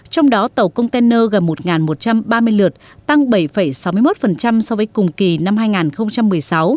trong đó tàu container gần một một trăm ba mươi lượt tăng bảy sáu mươi một so với cùng kỳ năm hai nghìn một mươi sáu